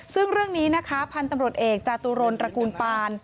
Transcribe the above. ซึ่งเรื่องนี้นะคะพันธุ์ตำรวจเอกจาตุรนตระกูลปาน